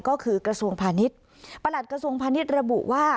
ก็คือกระทรวงพาณิชย์ประหลัดกระทรวงพาณิชย์ระบุว่า